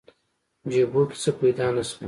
جیبو کې څه پیدا نه شول.